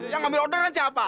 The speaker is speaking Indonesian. yang ambil order kan siapa